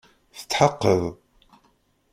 Tetḥeqqeḍ?